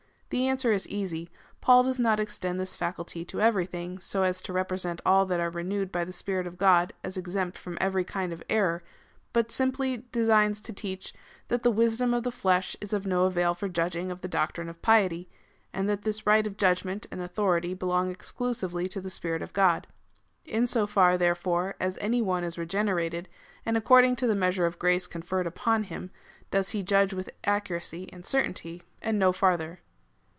The answer is easy : Paul does not extend this faculty to everything, so as to represent all that are renewed by the Spirit of God as exempt from every kind of error, but simply designs to teach, that the wisdom of the flesh is of no .avail for judging of the doctrine of piety, and that this right of judgment and authority belong exclusively to the Spirit of God. In so far, therefore, as any one is regene rated, and according to the measure of grace conferred upon him, does he judge with accuracy and certainty, and no farther.